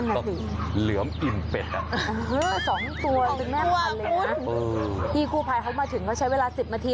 ก็เหลื้อมอิ่มเป็ดอ่ะฮือสองตัวสองตัวคุณแม่พันธุ์เลยนะพี่กูภัยเขามาถึงก็ใช้เวลาสิบมันที